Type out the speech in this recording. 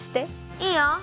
いいよ。